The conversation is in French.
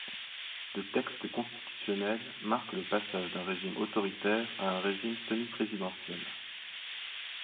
Le texte constitutionnel marque le passage d'un régime autoritaire à un régime semi-présidentiel.